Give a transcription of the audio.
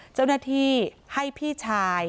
เจ้าหน้าที่ให้พี่ชาย